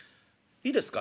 「いいですか？」。